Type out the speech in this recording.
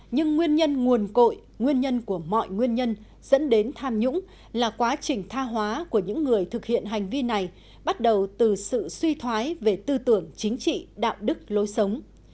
nhưng nguyên nhân nguồn cội nguyên nhân của mọi nguyên nhân dẫn đến tham nhũng là quá trình tha hóa của những người thực hiện hành vi này bắt đầu từ sự suy thoái về tư tưởng chính trị đạo đức lối sống